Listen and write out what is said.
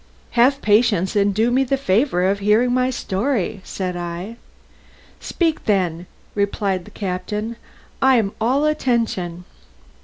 "Have patience, and do me the favour to hear my story," said I. "Speak then," replied the captain, "I'm all attention."